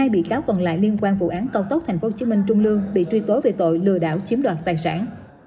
một mươi bị cáo còn lại liên quan vụ án cao tốc tp hcm trung lương bị truy tố về tội lừa đảo chiếm đoạt tài sản